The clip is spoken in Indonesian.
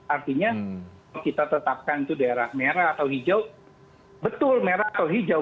artinya kita tetapkan itu daerah merah atau hijau betul merah atau hijau